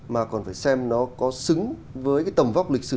mà còn phải xem nó có xứng với cái tầm vóc lịch sử